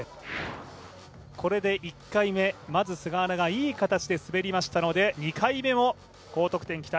これで１回目、まず菅原がいい形で滑りましたので、２回目も高得点、期待。